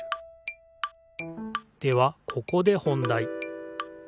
ではここで本だい。